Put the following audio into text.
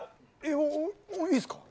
いいっすか。